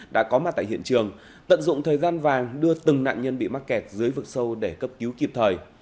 đã có mặt tại hiện trường tận dụng thời gian vàng đưa từng nạn nhân bị mắc kẹt dưới vực sâu để cấp cứu kịp thời